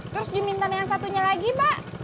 terus juminten yang satunya lagi pak